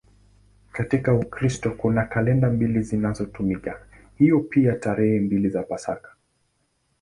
Katika Ukristo kuna kalenda mbili zinazotumika, hivyo pia tarehe mbili za Pasaka.